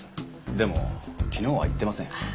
でも昨日は行ってません。